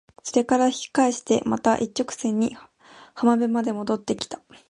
それから引き返してまた一直線に浜辺まで戻って来た。